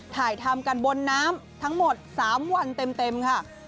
ถ่ายทำกันบนน้ำทั้งหมด๓วันเต็มค่ะ